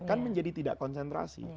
kan menjadi tidak konsentrasi